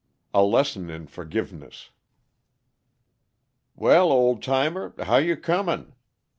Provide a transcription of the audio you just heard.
A LESSON IN FORGIVENESS "Well, old timer, how you coming?